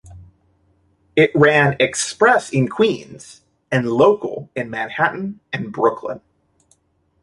It ran express in Queens and local in Manhattan and Brooklyn.